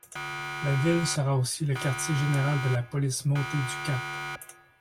La ville sera aussi le quartier général de la police montée du Cap.